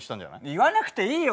言わなくていいよ